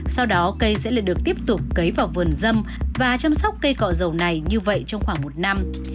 sau đó cây sẽ lại được tiếp tục cấy vào vườn dâm và chăm sóc cây cọ dầu này như vậy trong khoảng một năm